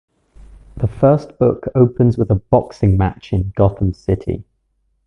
The first book opens with a boxing match in Gotham City.